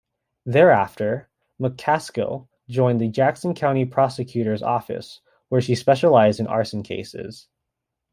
Thereafter, McCaskill joined the Jackson County prosecutor's office, where she specialized in arson cases.